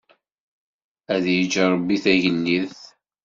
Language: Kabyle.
Ad yeǧǧ Ṛebbi Tagellidt.